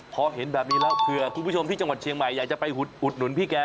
พอเห็นแบบนี้แล้วเผื่อคุณผู้ชมที่จังหวัดเชียงใหม่อยากจะไปอุดหนุนพี่แก